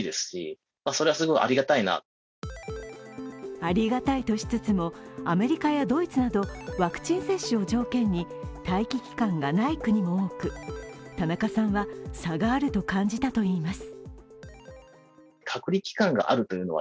ありがたいとしつつも、アメリカやドイツなどワクチン接種を条件に待機期間がない国も多く田中さんは差があると感じたといいます。